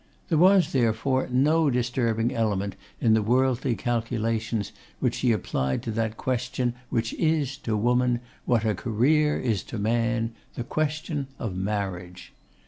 There was, therefore, no disturbing element in the worldly calculations which she applied to that question which is, to woman, what a career is to man, the question of marriage.